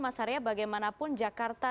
mas arya bagaimanapun jakarta